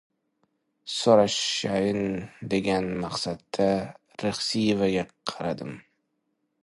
So‘rashayin degan maqsadda Rixsiyevga qaradim.